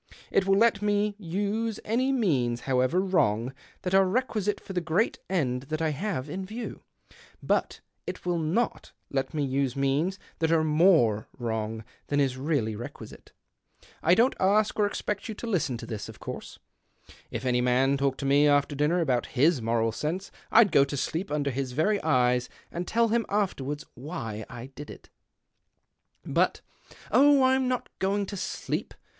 It will let me use any means, however vrong, that are requisite for the great end :hat I have in view ; but it will not let me ise means that are more wrongr than is reallv 'equisite. I don't ask or expect yon to listen 138 THE OCTAVE OF CLAUDIUS. to this, of course. If any man talked to me, after dinner, about his moral sense, I'd go to sleep under his very eyes, and tell him afterwards why I did it. But "" Oh, I'm not going to sleep.